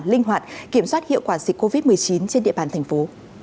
linh hoạt kiểm soát hiệu quả dịch covid một mươi chín trên địa bàn thành phố